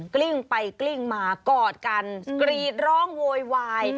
กลิ้งไปกลิ้งมากอดกันกรีดร้องโวยวาย